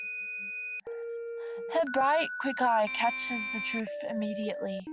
Her bright quick eye catches the truth immediately.